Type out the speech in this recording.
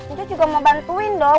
itu juga mau bantuin dong